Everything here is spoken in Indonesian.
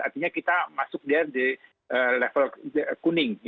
artinya kita masuk dari level kuning